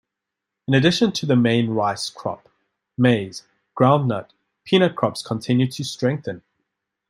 In addition to the main rice crop, maize, groundnut, peanut crops continued to strengthen.